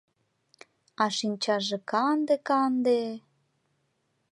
А шинчаже канде-канде.